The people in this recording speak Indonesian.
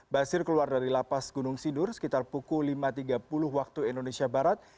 basir keluar dari lapas gunung sindur sekitar pukul lima tiga puluh waktu indonesia barat